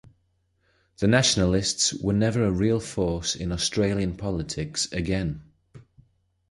The Nationalists were never a real force in Australian politics again.